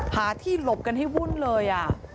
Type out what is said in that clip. หาที่หลบกันให้วุ่นเลย